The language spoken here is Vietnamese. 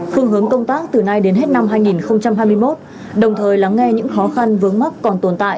phương hướng công tác từ nay đến hết năm hai nghìn hai mươi một đồng thời lắng nghe những khó khăn vướng mắt còn tồn tại